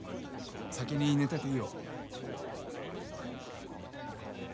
先に寝てていいよ」。